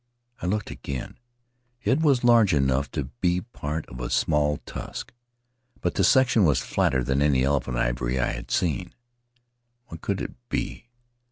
I looked again; it was large enough to be part of a small tusk, but the section was flatter than any elephant ivory I had seen. What could it be?